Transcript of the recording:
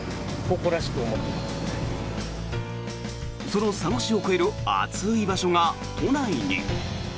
その佐野市を超える暑い場所が都内に。